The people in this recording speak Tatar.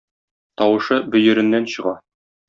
Тавышы бөереннән чыга.